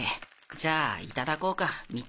じゃあいただこうかミッチー。